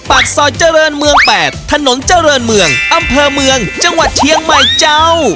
ปากซอยเจริญเมือง๘ถนนเจริญเมืองอำเภอเมืองจังหวัดเชียงใหม่เจ้า